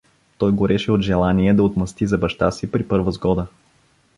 Той гореше от желание да отмъсти за баща си при първа сгода.